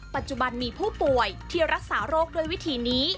ปัจจุบันมีผู้ป่วยที่รักษาโรคด้วยวิธีนี้